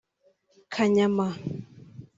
Kanyama